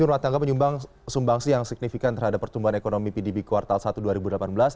kita bisa mencoba menyumbang sumbangsi yang signifikan terhadap pertumbuhan ekonomi pdb kuartal satu tahun dua ribu delapan belas